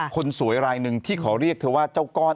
คนสวยรายหนึ่งที่ขอเรียกเธอว่าเจ้าก้อน